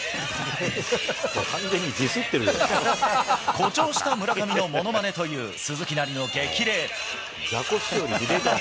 誇張した村上のものまねという、鈴木なりの激励。